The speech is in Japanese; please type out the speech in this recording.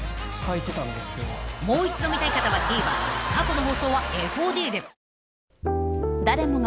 ［もう一度見たい方はＴＶｅｒ過去の放送はＦＯＤで］